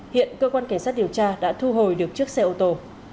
hiện cơ quan cảnh sát điều tra đã thu hồi được chiếc xe ô tô